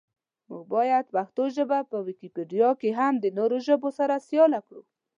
مونږ باید پښتو ژبه په ویکیپېډیا کې هم د نورو ژبو سره سیاله کړو.